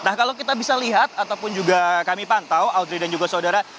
nah kalau kita bisa lihat ataupun juga kami pantau audrey dan juga saudara